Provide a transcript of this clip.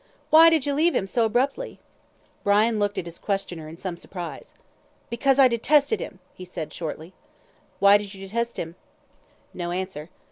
"Why did you leave him so abruptly?" Brian looked at his questioner in some surprise. "Because I detested him," he said, shortly. "Why did you detest him?" No answer.